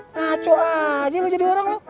ngaco aja lu jadi orang lu